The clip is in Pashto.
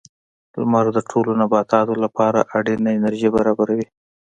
• لمر د ټولو نباتاتو لپاره اړینه انرژي برابروي.